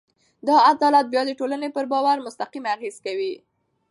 دا عدالت بیا د ټولنې پر باور مستقیم اغېز کوي.